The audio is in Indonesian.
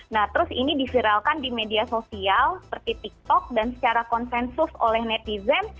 nah terus ini diviralkan di media sosial seperti tiktok dan secara konsensus oleh netizen